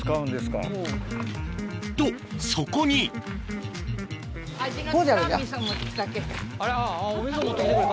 とそこにあら。